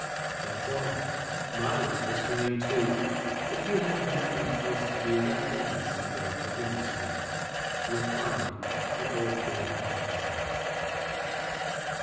That's all. My luck was turning too; If you have nothing else to do, Run down some day to Lindisfaire, You'll find the old bay hunter there.